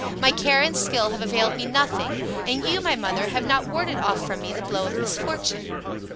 My care and skill have availed me nothing, and you my mother have not warded off from me the blow of misfortune."